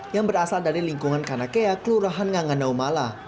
yang berasal dari lingkungan kanakea kelurahan nganga naumala